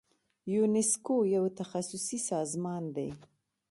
یونسکو یو تخصصي سازمان دی.